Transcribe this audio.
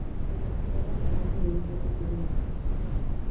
El resultado aparece en pocos segundos.